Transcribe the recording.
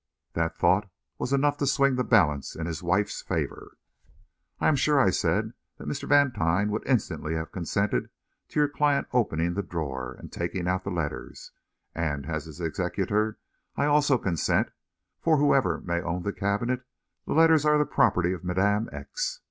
That thought was enough to swing the balance in his wife's favour. "I am sure," I said, "that Mr. Vantine would instantly have consented to your client opening the drawer and taking out the letters. And, as his executor, I also consent, for, whoever may own the cabinet, the letters are the property of Madame X.